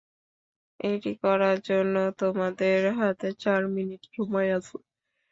এটি করার জন্য তোমাদের হাতে চার মিনিট সময় আছে।